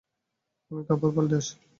আমি কাপড় পাল্টে আসি।